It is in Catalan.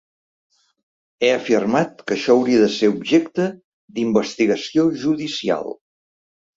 He afirmat que això hauria de ser objecte d’investigació judicial.